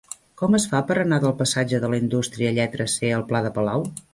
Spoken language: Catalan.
Com es fa per anar del passatge de la Indústria lletra C al pla de Palau?